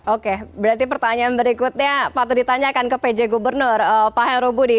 oke berarti pertanyaan berikutnya patut ditanyakan ke pj gubernur pak heru budi